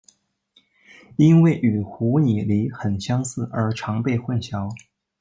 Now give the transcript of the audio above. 因为与湖拟鲤很相似而常被混淆。